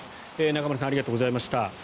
中丸さんありがとうございました。